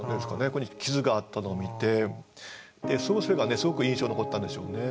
ここに痍があったのを見てそれがすごく印象に残ったんでしょうね。